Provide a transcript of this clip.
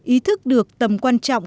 ý thức được tầm quan trọng